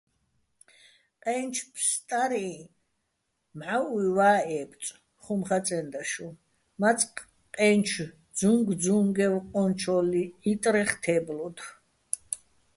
"ყაჲნჩო̆ ფსტარიჼ მჵაჸუჲვა́ ე́ბწო̆," - ხუმ ხაწენდა შუჼ, მაწყ ყაჲნჩო́ ძუნგძუნგევ ყონჩო́ ჺიტრეხ თე́ბლოდო̆.